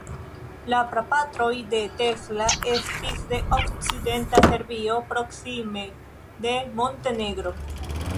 La prapatroj de Tesla estis de okcidenta Serbio, proksime de Montenegro.